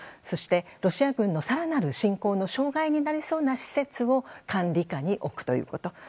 そしてロシア軍の更なる侵攻の障害になりそうな施設を管理下に置くということ。